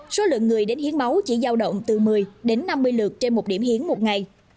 số lượng người đến hiến máu chỉ giao động từ một mươi đến năm mươi lượt trên một điểm hiến một ngày